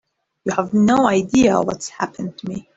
You have no idea what's happened to me.